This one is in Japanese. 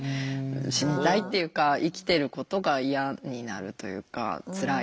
死にたいっていうか生きてることが嫌になるというかつらい。